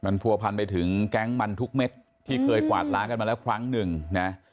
ผัวพันไปถึงแก๊งมันทุกเม็ดที่เคยกวาดล้างกันมาแล้วครั้งหนึ่งนะ